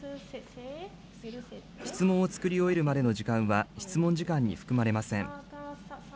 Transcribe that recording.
質問を作り終えるまでの時間は、質問時間に含まれません。